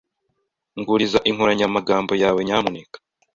Nguriza inkoranyamagambo yawe, nyamuneka.